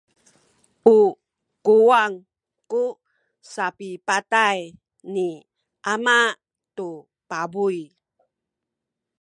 u kuwang ku sapipatay ni ama tu pabuy.